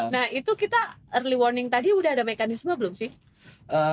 nah itu kita early warning tadi udah ada mekanisme belum sih